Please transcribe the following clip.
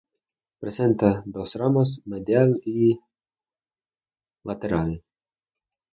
Presenta dos ramas, "medial" y "lateral".